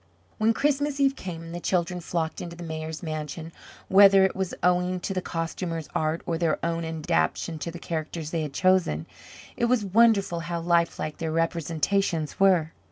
When Christmas Eve came and the children flocked into the Mayor's mansion, whether it was owing to the Costumer's art, or their own adaptation to the characters they had chosen, it was wonderful how lifelike their representations were.